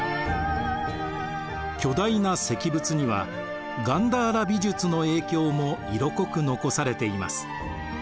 巨大な石仏にはガンダーラ美術の影響も色濃く残されています。